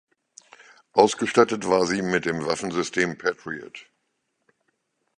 Ausgestattet war sie mit dem Waffensystem Patriot.